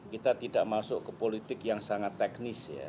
kita tidak masuk ke politik yang sangat teknis ya